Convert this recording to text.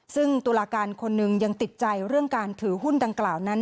ซึ่งตุลาการคนหนึ่งยังติดใจเรื่องการถือหุ้นดังกล่าวนั้น